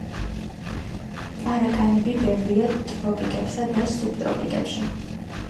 ტარაკანები ბევრია ტროპიკებსა და სუბტროპიკებში.